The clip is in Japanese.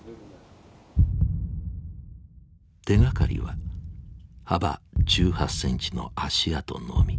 手がかりは幅１８センチの足跡のみ。